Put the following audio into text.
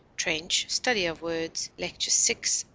TRENCH Study of Words lect. vi, p.